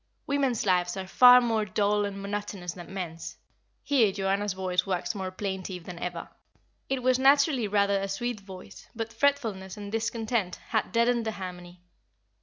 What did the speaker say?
Women's lives are far more dull and monotonous than men's;" here Joanna's voice waxed more plaintive than ever it was naturally rather a sweet voice, but fretfulness and discontent had deadened the harmony.